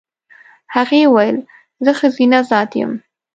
هغې وویل زه ښځینه ذات یم.